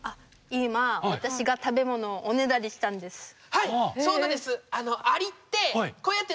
今私がはいそうなんです！